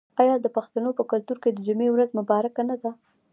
آیا د پښتنو په کلتور کې د جمعې ورځ مبارکه نه ده؟